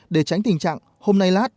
để tránh tình trạng hôm nay lát